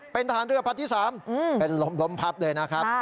เป็นทหารเรือพัดที่๓เป็นล้มพับเลยนะครับ